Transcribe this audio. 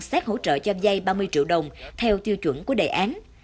xét hỗ trợ cho dây ba mươi triệu đồng theo tiêu chuẩn của đề án